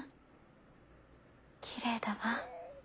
きれいだわ。